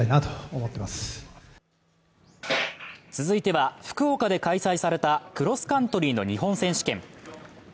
続いては、福岡で開催されたクロスカントリーの日本選手権。